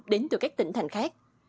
đến từ các tỉnh thành khác